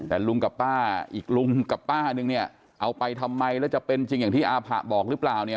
แต่ลุงกับป้าอีกลุงกับป้านึงเนี่ยเอาไปทำไมแล้วจะเป็นจริงอย่างที่อาผะบอกหรือเปล่าเนี่ย